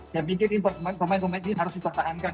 saya pikir pemain pemain ini harus dipertahankan